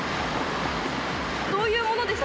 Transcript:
どういうものでした？